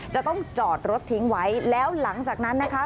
จะต้องจอดรถทิ้งไว้แล้วหลังจากนั้นนะคะ